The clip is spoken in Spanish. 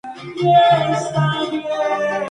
Hijo de los Sres.